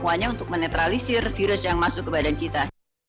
semuanya untuk menetralisir virus yang masuk ke badan kita